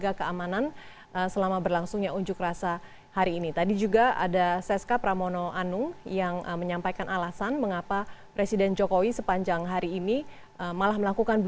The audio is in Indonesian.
saya minta para penjurasa untuk kembali ke tempat yang telah ditemukan